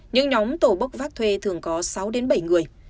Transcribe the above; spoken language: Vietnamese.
những nhóm tổ bốc vác thuê thường có sáu bảy người